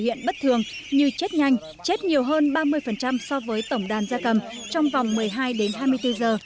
hiện bất thường như chết nhanh chết nhiều hơn ba mươi so với tổng đàn gia cầm trong vòng một mươi hai đến hai mươi bốn giờ